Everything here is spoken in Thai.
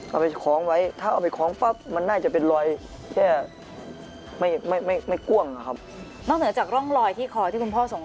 เอาไปของไว้ถ้าเอาไปของปั๊บมันน่าจะเป็นลอยซี่ง